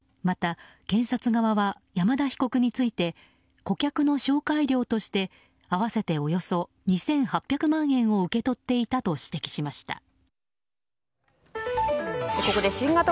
また、検察側は山田被告について顧客の紹介料として合わせておよそ２８００万円を受け取っていたと指摘しました。